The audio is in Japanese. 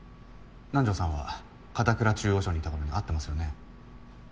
南条さんは片倉中央署にいた頃に会ってますよね？